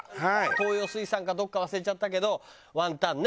東洋水産かどこか忘れちゃったけどワンタンね。